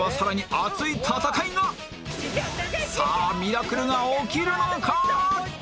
さあミラクルが起きるのか？